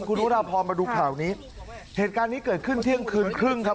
คุณอุราพรมาดูข่าวนี้เหตุการณ์นี้เกิดขึ้นเที่ยงคืนครึ่งครับ